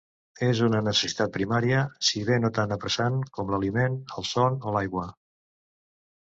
És una necessitat primària, si bé no tan apressant com l'aliment, el son o l'aigua.